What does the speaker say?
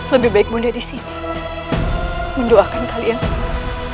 lebih baik muda di sini mendoakan kalian semua